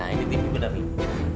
ini tipi bener ibu